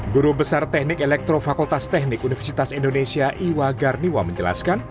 guru besar teknik elektro fakultas teknik universitas indonesia iwa garniwa menjelaskan